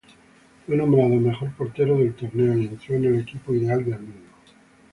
Fue nombrado mejor portero del torneo y entró en el equipo ideal del mismo.